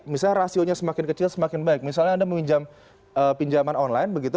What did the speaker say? misalnya rasionya semakin kecil semakin baik misalnya anda meminjam pinjaman online begitu